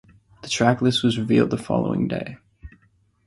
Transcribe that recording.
The tracklist was revealed the following day.